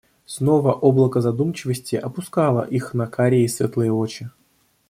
Снова облако задумчивости опускало их на карие светлые очи